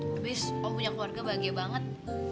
habis om punya keluarga bahagia banget